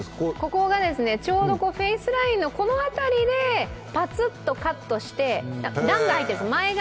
ここがちょうどフェースラインのこの辺りでパツッとカットして段が入ってるんです。